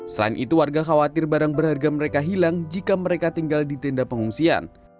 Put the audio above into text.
selain itu warga khawatir barang berharga mereka hilang jika mereka tinggal di tenda pengungsian